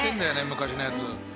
昔のやつ。